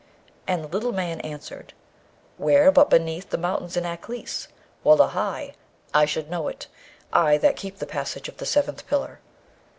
And the little man answered, 'Where, but beneath the mountains in Aklis? Wullahy! I should know it, I that keep the passage of the seventh pillar!'